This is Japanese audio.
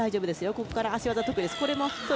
ここから足技得意です。